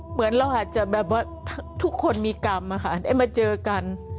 เหมือนเราทุกคนมีกรรมได้มาเจอกัน